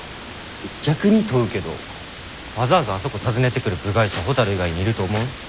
逆に問うけどわざわざあそこ訪ねてくる部外者ほたる以外にいると思う？